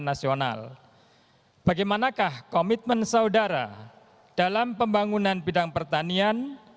pertanyaan yang terakhir bagaimana komitmen saudara dalam pembangunan bidang pertanian